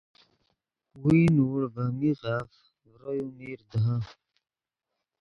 ویئے نوڑ ڤے میغف ڤرو یو میر دیہے